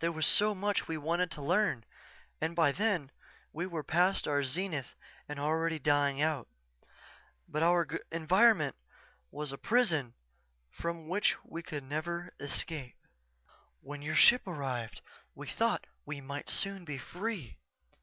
There was so much we wanted to learn and by then we were past our zenith and already dying out. But our environment was a prison from which we could never escape._ "_When your ship arrived we thought we might soon be free.